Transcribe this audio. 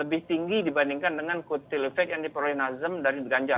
lebih tinggi dibandingkan dengan kutil efek yang diperoleh nasdem dari ganjar